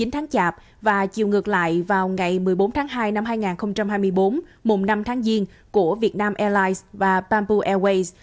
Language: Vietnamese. một mươi tháng chạp và chiều ngược lại vào ngày một mươi bốn tháng hai năm hai nghìn hai mươi bốn mùng năm tháng giêng của việt nam airlines và pampo airways